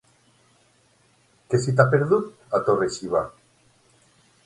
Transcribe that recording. Què se t'hi ha perdut, a Torre-xiva?